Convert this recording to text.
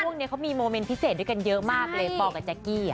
ช่วงนี้เขามีโมเมนต์พิเศษด้วยกันเยอะมากเลยปอลกับแจ๊กกี้